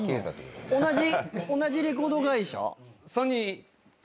同じレコード会社？